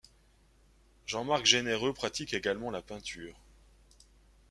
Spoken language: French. Jean-Marc Généreux pratique également la peinture.